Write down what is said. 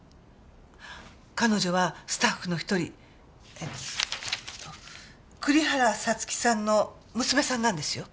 彼女はスタッフの一人えっと栗原五月さんの娘さんなんですよ。